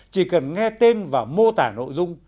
chỉ cần nghe tên và mô tả nội dung